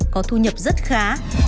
có thu nhập rất khá